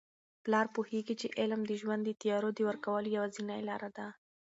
پلار پوهیږي چي علم د ژوند د تیارو د ورکولو یوازینۍ لاره ده.